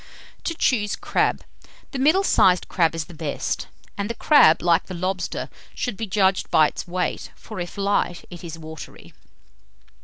TO CHOOSE CRAB. The middle sized crab is the best; and the crab, like the lobster, should be judged by its weight; for if light, it is watery.